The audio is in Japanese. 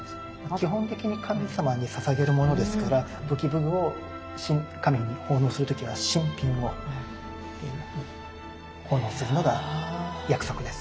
基本的に神様にささげるものですから武器武具を神に奉納する時は新品を奉納するのが約束です。